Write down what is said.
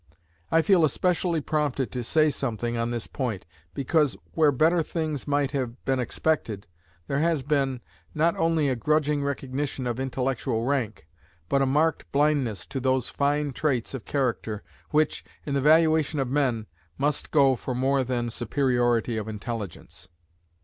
I feel especially prompted to say something on this point, because, where better things might have been expected, there has been, not only a grudging recognition of intellectual rank, but a marked blindness to those fine traits of character, which, in the valuation of men, must go for more than superiority of intelligence.